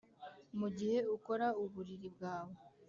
mugihe ukora uburiri bwawe,